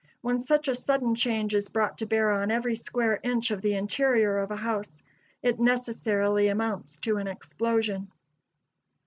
When such a sudden change is brought to bear on every square inch of the interior of a house, it necessarily amounts to an explosion.